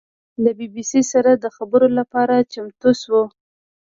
له بي بي سي سره د خبرو لپاره چمتو شوه.